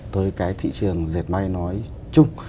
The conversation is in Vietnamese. tới cái thị trường diệt may nói chung